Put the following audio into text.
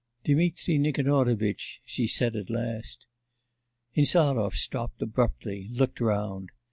'Dmitri Nikanorovitch!' she said at last. Insarov stopped abruptly, looked round....